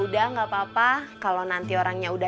telponannya nanti lagi aja